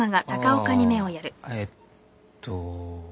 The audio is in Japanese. あえっと。